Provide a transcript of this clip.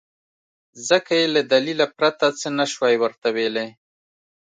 ځکه يې له دليله پرته څه نه شوای ورته ويلی.